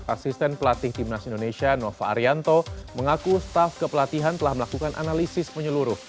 asisten pelatih timnas indonesia nova arianto mengaku staff kepelatihan telah melakukan analisis menyeluruh